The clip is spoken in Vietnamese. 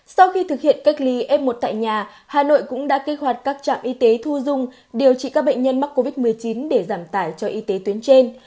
sau khi thực hiện cách ly f một tại nhà hà nội cũng đã kích hoạt các trạm y tế thu dung điều trị các bệnh nhân mắc covid một mươi chín để giảm tải cho y tế tuyến trên